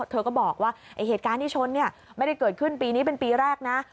เธอก็บอกว่าเหตุการณ์ที่ชนไม่ได้เกิดขึ้นปีนี้เป็นปีแรกนะ